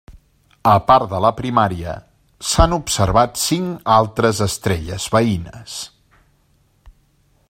A part de la primària s'han observat cinc altres estrelles veïnes.